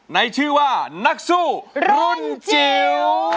ในชื่อว่านักสู้รุ่นจิ๋ว